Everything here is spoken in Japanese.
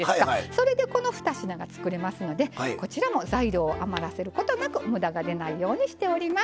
それでこの２品が作れますのでこちらも材料余らせることなく無駄が出ないようにしております。